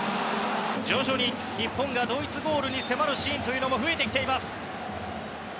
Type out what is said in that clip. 徐々に日本がドイツゴールに迫るシーンというのも増えてきています。